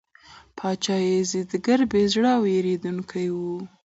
پاچا یزدګُرد بې زړه او بېرندوکی و.